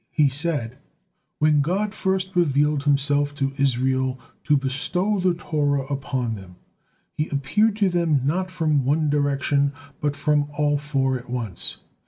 He said: "When God first revealed Himself to Israel to bestow the Torah upon them, He appeared to them not from one direction, but from all four at once.